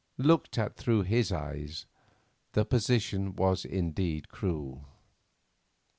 Looked at through his eyes the position was indeed cruel.